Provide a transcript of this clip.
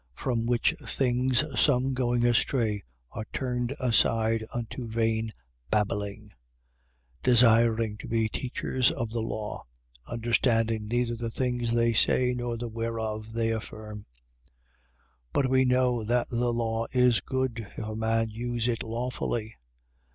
1:6. From which things some, going astray, are turned aside unto vain babbling: 1:7. Desiring to be teachers of the law: understanding neither the things they say, nor whereof they affirm. 1:8. But we know that the law is good, if a man use it lawfully.